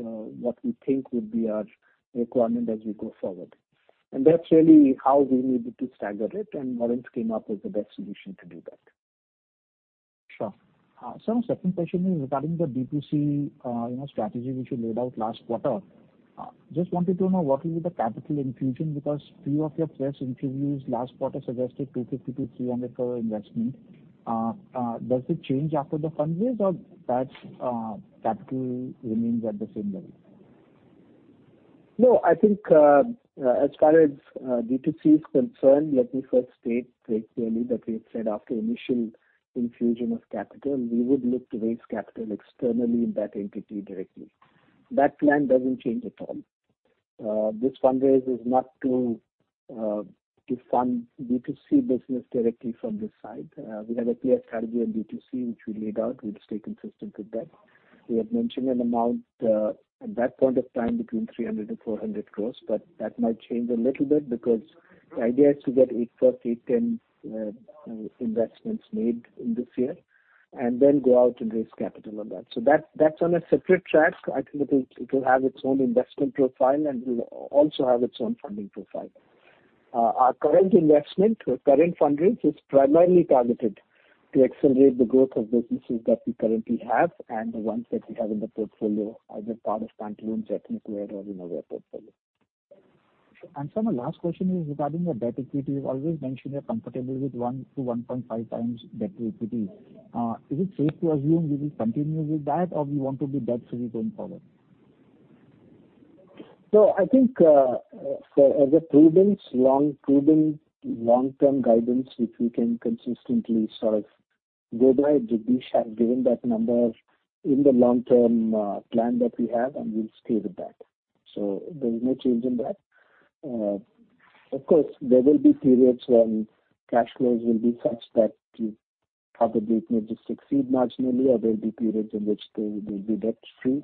what we think would be our requirement as we go forward. That's really how we needed to stagger it, and Warren came up with the best solution to do that. Sure. Sir, my second question is regarding the D2C, you know, strategy which you laid out last quarter. Just wanted to know what the capital infusion will be because few of your press interviews last quarter suggested 250-300 crore investment. Does it change after the fundraise or that, capital remains at the same level? No, I think, as far as, D2C is concerned, let me first state very clearly that we have said after initial infusion of capital we would look to raise capital externally in that entity directly. That plan doesn't change at all. This fundraise is not to fund D2C business directly from this side. We have a clear strategy on D2C which we laid out. We'll stay consistent with that. We have mentioned an amount at that point of time between 300 crore and 400 crore, but that might change a little bit because the idea is to get eight plus, eight, 10 investments made in this year and then go out and raise capital on that. That, that's on a separate track. I think it will have its own investment profile, and it'll also have its own funding profile. Our current investment or current fundraise is primarily targeted to accelerate the growth of businesses that we currently have and the ones that we have in the portfolio as a part of Pantaloons, ethnic wear, or innerwear portfolio. Sir, my last question is regarding the debt equity. You've always mentioned you're comfortable with one to 1.5 times debt-to-equity. Is it safe to assume you will continue with that or you want to be debt-free going forward? I think, for the sake of prudence long-term guidance which we can consistently sort of go by, Jagdish Bajaj had given that number in the long-term plan that we have, and we'll stay with that. There's no change in that. Of course, there will be periods when cash flows will be such that it may just exceed marginally or there'll be periods in which they will be debt-free.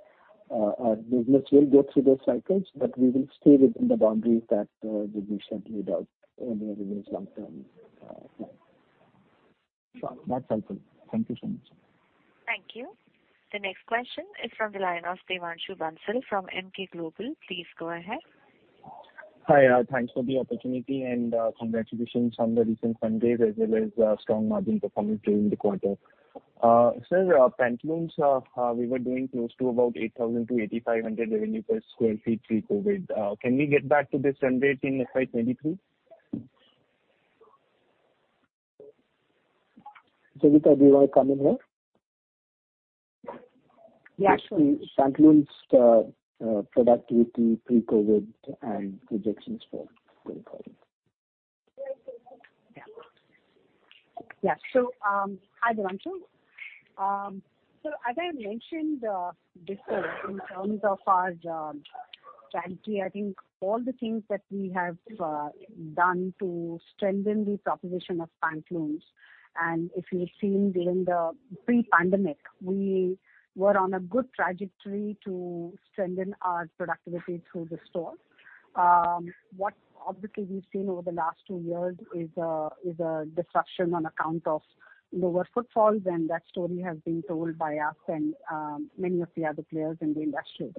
Our business will go through those cycles, but we will stay within the boundaries that Jagdish Bajaj had laid out earlier in his long-term plan. Sure. That's helpful. Thank you so much. Thank you. The next question is from the line of Devanshu Bansal from Emkay Global. Please go ahead. Hi, thanks for the opportunity and, congratulations on the recent fundraise as well as, strong margin performance during the quarter. Sir, Pantaloons, we were doing close to about 8,000-8,500 revenue per sq ft pre-COVID. Can we get back to this run rate in FY 2023? Debita, do you wanna come in here? Yeah, sure. Pantaloons, productivity pre-COVID and projections for post-COVID. Yeah. Yeah. Hi, Devanshu. As I mentioned, before in terms of our strategy, I think all the things that we have done to strengthen the proposition of Pantaloons, and if you've seen during the pre-pandemic, we were on a good trajectory to strengthen our productivity through the store. What obviously we've seen over the last two years is a disruption on account of lower footfalls, and that story has been told by us and many of the other players in the industry.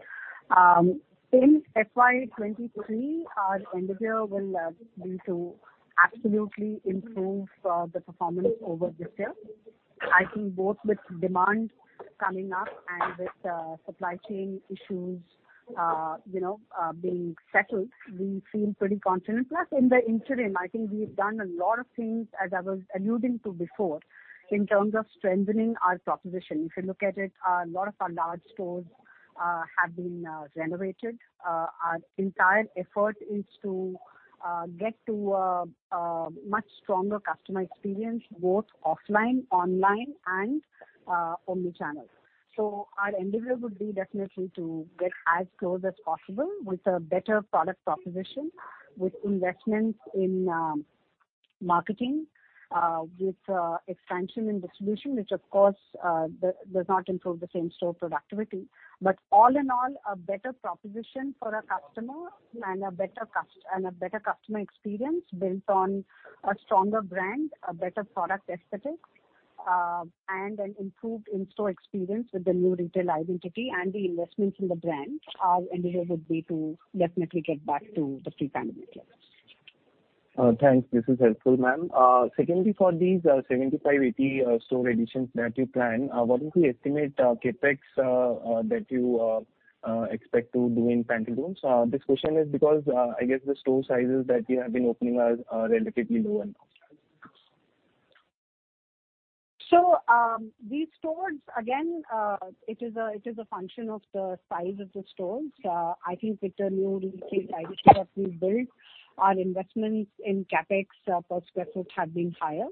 In FY 2023, our endeavor will be to absolutely improve the performance over this year. I think both with demand coming up and with supply chain issues you know being settled, we feel pretty confident. In the interim, I think we've done a lot of things, as I was alluding to before, in terms of strengthening our proposition. If you look at it, a lot of our large stores have been renovated. Our entire effort is to get to a much stronger customer experience, both offline, online and omnichannel. Our endeavor would be definitely to get as close as possible with a better product proposition, with investments in marketing, with expansion in distribution, which of course does not improve the same-store productivity. All in all, a better proposition for our customer and a better customer experience built on a stronger brand, a better product aesthetic, and an improved in-store experience with the new retail identity and the investments in the brand. Our endeavor would be to definitely get back to the pre-pandemic levels. Thanks. This is helpful, ma'am. Secondly, for these 75-80 store additions that you plan, what is the estimate CapEx that you expect to do in Pantaloons? This question is because I guess the store sizes that you have been opening are relatively low and small. These stores, again, it is a function of the size of the stores. I think with the new retail identity that we've built, our investments in CapEx per square foot have been higher.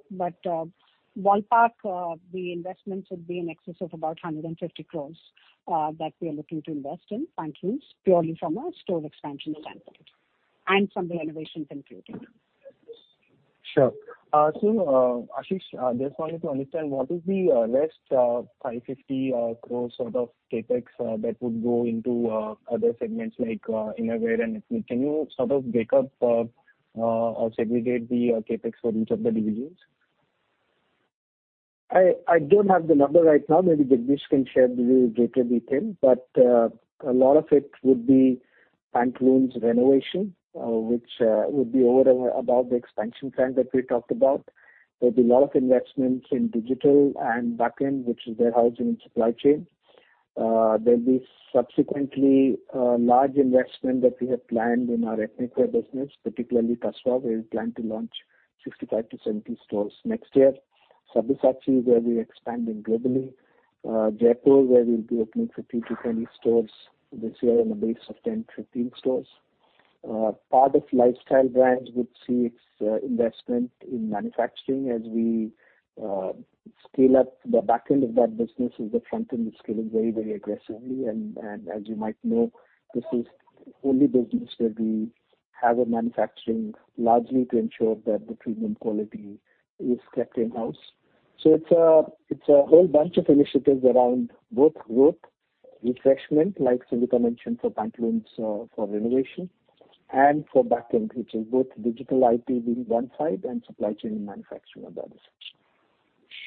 Ballpark, the investment should be in excess of about 150 crores that we are looking to invest in Pantaloons purely from a store expansion standpoint and from the renovation standpoint. Sure. Ashish, just wanted to understand what is the rest 550 crore sort of CapEx that would go into other segments like Innerwear and Ethnic. Can you sort of break up or segregate the CapEx for each of the divisions? I don't have the number right now. Maybe Jagdish can share with you later we can. A lot of it would be Pantaloons renovation, which would be over and above the expansion plan that we talked about. There'll be a lot of investments in digital and backend, which is warehousing and supply chain. There'll be subsequently a large investment that we have planned in our ethnic wear business, particularly Tasva. We plan to launch 65-70 stores next year. Sabyasachi, where we're expanding globally. Jaypore, where we'll be opening 50-20 stores this year on the base of 10-15 stores. Part of lifestyle brands would see its investment in manufacturing as we scale up the backend of that business as the front end is scaling very, very aggressively. As you might know, this is only business where we have a manufacturing largely to ensure that the premium quality is kept in-house. It's a whole bunch of initiatives around both growth refreshment, like Sulabha mentioned for Pantaloons, for renovation and for backend, which is both digital IP being one side and supply chain and manufacturing on the other section.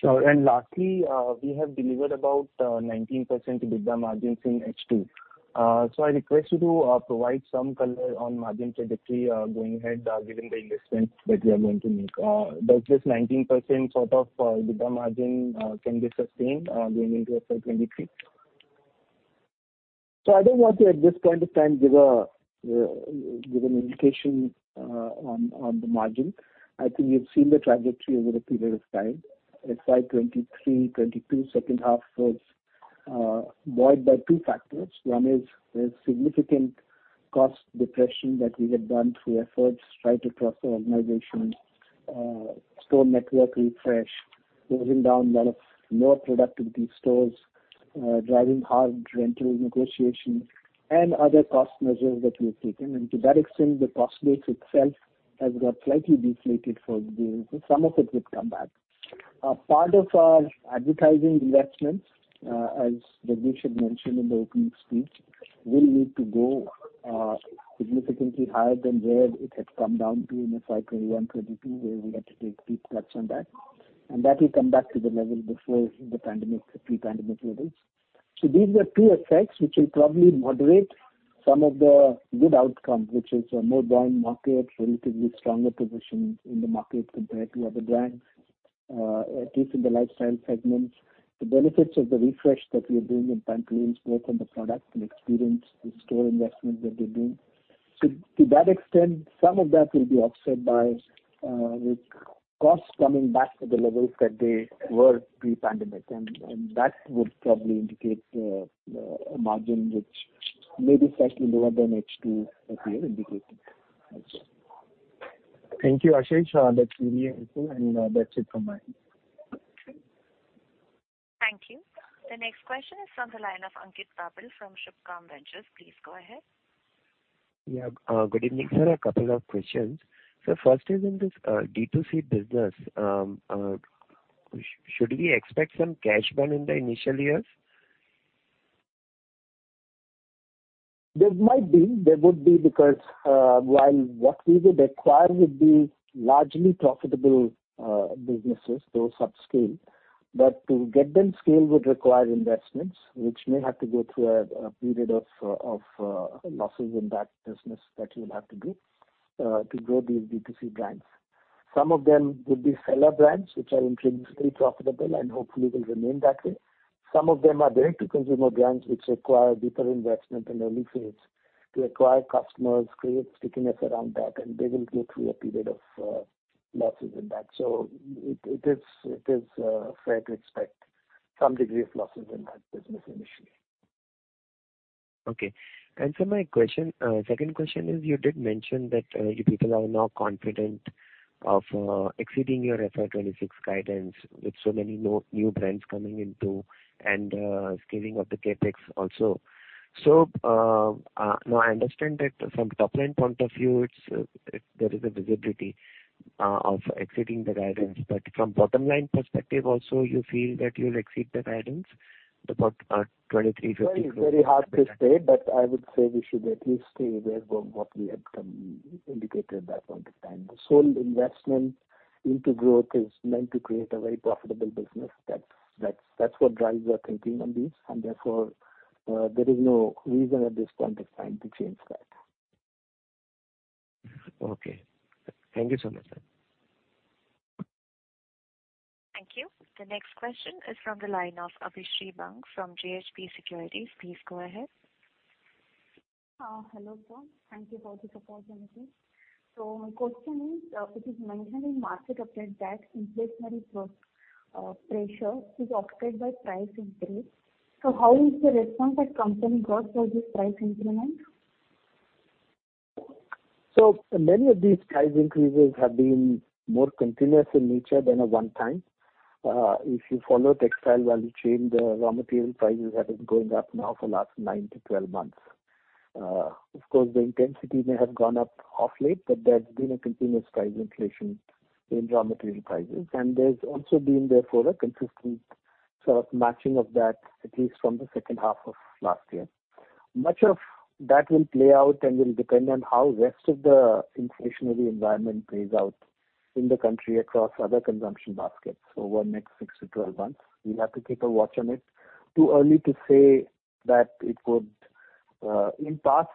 Sure. Lastly, we have delivered about 19% EBITDA margins in H2. I request you to provide some color on margin trajectory going ahead, given the investments that you are going to make. Does this 19% sort of EBITDA margin can be sustained going into FY 2023? I don't want to at this point of time give an indication on the margin. I think you've seen the trajectory over a period of time. FY 2023, 2022 H2 was buoyed by two factors. One is there's significant cost compression that we had done through efforts right across the organization, store network refresh, closing down a lot of low productivity stores, driving hard rental negotiations and other cost measures that we have taken. To that extent, the cost base itself has got slightly deflated for the year. Some of it would come back. A part of our advertising investments, as Jagdish had mentioned in the opening speech, will need to go significantly higher than where it had come down to in FY 2021, 2022, where we had to take deep cuts on that. That will come back to the level before the pandemic, the pre-pandemic levels. These are two effects which will probably moderate some of the good outcomes, which is a more growing market, relatively stronger position in the market compared to other brands, at least in the lifestyle segments. The benefits of the refresh that we are doing in Pantaloons, both on the product and experience, the store investments that we're doing. To that extent, some of that will be offset by, with costs coming back to the levels that they were pre-pandemic. That would probably indicate a margin which may be slightly lower than H2 that we have indicated. Thank you, Ashish. That's really helpful. That's it from my end. Thank you. The next question is from the line of Ankit Babel from Subhkam Ventures. Please go ahead. Yeah. Good evening, sir. A couple of questions. First is in this D2C business, should we expect some cash burn in the initial years? There might be. There would be because, while what we would acquire would be largely profitable, businesses, though subscale. To get them scale would require investments which may have to go through a period of losses in that business that you'll have to do, to grow these D2C brands. Some of them would be seller brands which are intrinsically profitable and hopefully will remain that way. Some of them are direct-to-consumer brands which require deeper investment in early phase to acquire customers, create stickiness around that, and they will go through a period of losses in that. It is fair to expect some degree of losses in that business initially. Okay. Sir, my second question is you did mention that you people are now confident of exceeding your FY26 guidance with so many new brands coming in and scaling of the CapEx also. Now I understand that from top line point of view, there is a visibility of exceeding the guidance. But from bottom line perspective also, you feel that you'll exceed the guidance about 23%-50%? Well, it's very hard to say, but I would say we should at least stay where from what we had come indicated at that point of time. This whole investment into growth is meant to create a very profitable business. That's what drives our thinking on these. Therefore, there is no reason at this point of time to change that. Okay. Thank you so much, sir. Thank you. The next question is from the line of Abhisri Bank from JHP Securities. Please go ahead. Hello, sir. Thank you for this opportunity. My question is, it is mentioned in market update that inflationary pressure is offset by price increase. How is the response that company got for this price increment? Many of these price increases have been more continuous in nature than a one-time. If you follow textile value chain, the raw material prices have been going up now for last 9-12 months. Of course, the intensity may have gone up of late, but there's been a continuous price inflation in raw material prices. There's also been, therefore, a consistent sort of matching of that at least from the H2 of last year. Much of that will play out and will depend on how rest of the inflationary environment plays out in the country across other consumption baskets over next 6-12 months. We'll have to keep a watch on it. Too early to say that it would. In the past,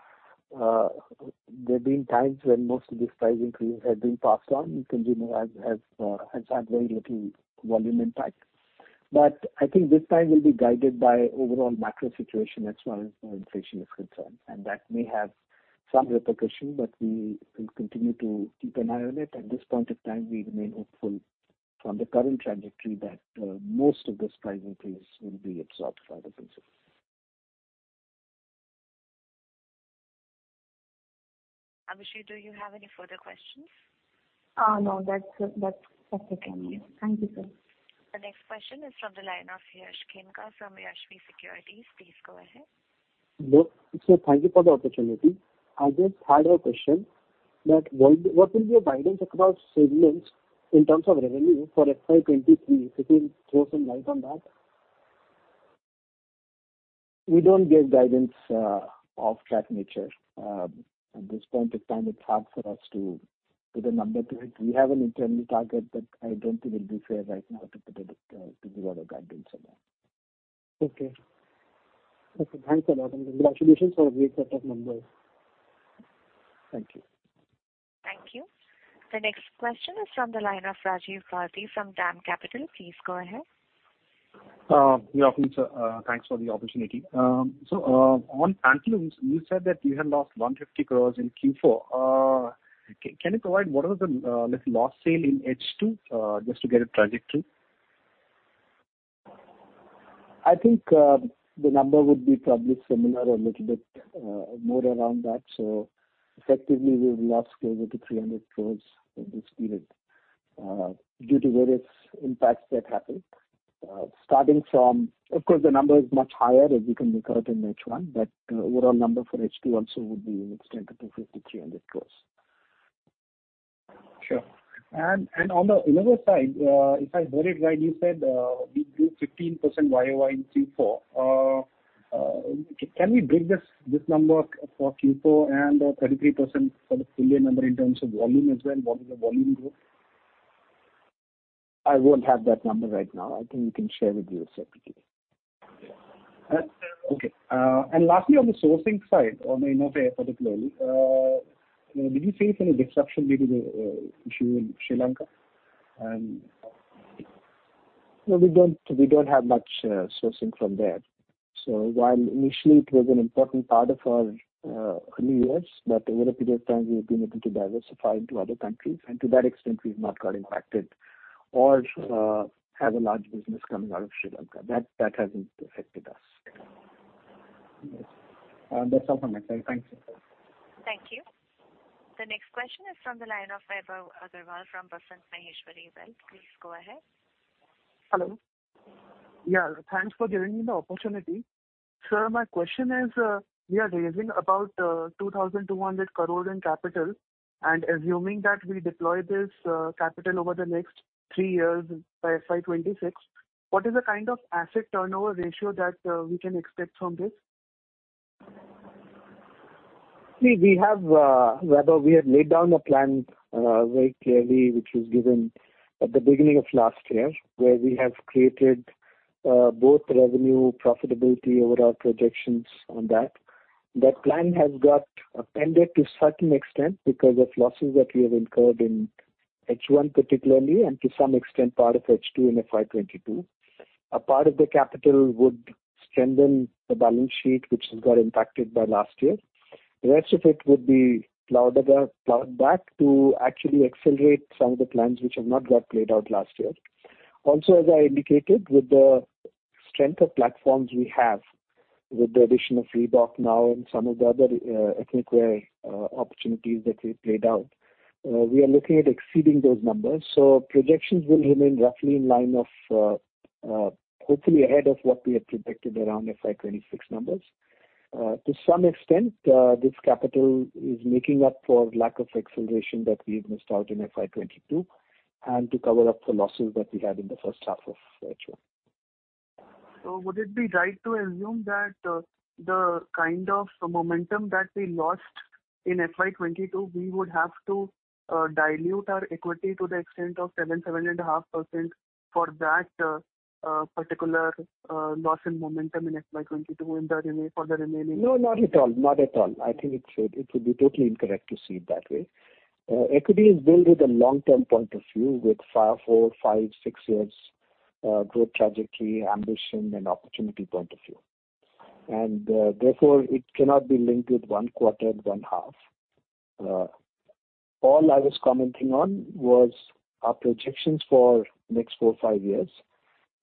there have been times when most of these price increases have been passed on, and the consumer has had very little volume impact. I think this time we'll be guided by overall macro situation as far as our inflation is concerned. That may have some repercussion, but we will continue to keep an eye on it. At this point of time, we remain hopeful from the current trajectory that most of this price increase will be absorbed by the consumer. Abhisri, do you have any further questions? No, that's it from me. Thank you, sir. The next question is from the line of Yash Kenka from Yashvi Securities. Please go ahead. Good. Thank you for the opportunity. I just had a question that what will be your guidance across segments in terms of revenue for FY 2023, if you can throw some light on that? We don't give guidance of that nature. At this point of time it's hard for us to give a number to it. We have an internal target, but I don't think it'll be fair right now to put it to give out a guidance on that. Okay. Okay, thanks a lot. Congratulations for a great set of numbers. Thank you. Thank you. The next question is from the line of Rajiv Gandhi from DAM Capital. Please go ahead. Good afternoon, sir. Thanks for the opportunity. On Pantaloons, you said that you had lost 150 crore in Q4. Can you provide what are the, like, lost sales in H2, just to get a trajectory? I think, the number would be probably similar or a little bit, more around that. Effectively, we've lost closer to 300 crores in this period, due to various impacts that happened. Of course the number is much higher as we can recover it in H1, but overall number for H2 also would be in the strength of 250 crores-300 crores. Sure. On the Innerwear side, if I heard it right, you said we grew 15% YOY in Q4. Can we break this number for Q4 and 23% for the full year number in terms of volume as well? What is the volume growth? I won't have that number right now. I think we can share with you separately. Okay. Lastly on the sourcing side, on the innerwear particularly, did you see any disruption due to the issue in Sri Lanka and? No, we don't have much sourcing from there. While initially it was an important part of our early years, but over a period of time we've been able to diversify into other countries, and to that extent we've not got impacted or have a large business coming out of Sri Lanka. That hasn't affected us. Yes. That's all from my side. Thank you, sir. Thank you. The next question is from the line of Vaibhav Agrawal from Basant Maheshwari Wealth. Please go ahead. Hello. Yeah, thanks for giving me the opportunity. Sir, my question is, we are raising about 2,200 crore in capital, and assuming that we deploy this capital over the next three years by FY 2026, what is the kind of asset turnover ratio that we can expect from this? See, we have, Vaibhav, we have laid down a plan, very clearly, which was given at the beginning of last year, where we have created, both revenue profitability overall projections on that. That plan has got appended to certain extent because of losses that we have incurred in H1 particularly, and to some extent part of H2 in FY 2022. A part of the capital would strengthen the balance sheet which has got impacted by last year. The rest of it would be plowed back to actually accelerate some of the plans which have not got played out last year. Also, as I indicated, with the strength of platforms we have, with the addition of Reebok now and some of the other, ethnic wear, opportunities that we've played out, we are looking at exceeding those numbers. Projections will remain roughly in line of, hopefully ahead of what we had predicted around FY 2026 numbers. To some extent, this capital is making up for lack of acceleration that we've missed out in FY 2022 and to cover up the losses that we had in the H1 of H1. Would it be right to assume that the kind of momentum that we lost in FY 2022, we would have to dilute our equity to the extent of 7.5% for that particular loss in momentum in FY 2022 for the remaining- No, not at all. Not at all. I think it would be totally incorrect to see it that way. Equity is built with a long-term point of view with four, five, six years growth trajectory, ambition and opportunity point of view. Therefore it cannot be linked with one quarter, one half. All I was commenting on was our projections for next four, five years.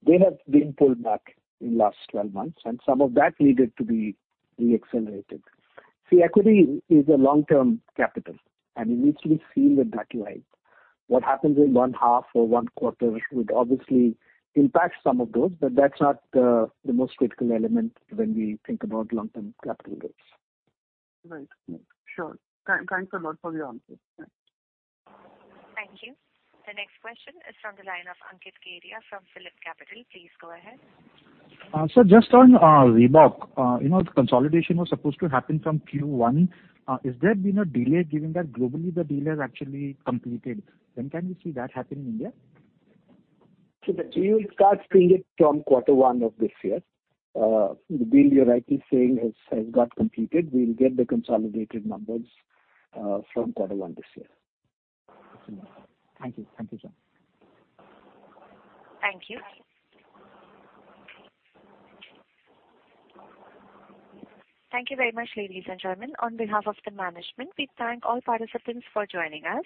They have been pulled back in last 12 months, and some of that needed to be re-accelerated. See, equity is a long-term capital, and we need to be seen with that light. What happens in one half or one quarter would obviously impact some of those, but that's not the most critical element when we think about long-term capital gains. Right. Sure. Thanks a lot for the answer. Thanks. Thank you. The next question is from the line of Ankit Kedia from PhillipCapital. Please go ahead. Sir, just on Reebok, you know, the consolidation was supposed to happen from Q1. Has there been a delay given that globally the deal is actually completed? When can we see that happen in India? The deal starts really from quarter one of this year. The deal you're rightly saying has got completed. We'll get the consolidated numbers from quarter one this year. Thank you. Thank you, sir. Thank you. Thank you very much, ladies and gentlemen. On behalf of the management, we thank all participants for joining us.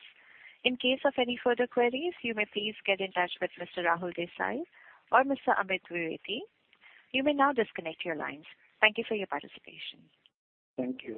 In case of any further queries, you may please get in touch with Mr. Rahul Desai or Mr. Amit Dwivedi. You may now disconnect your lines. Thank you for your participation. Thank you.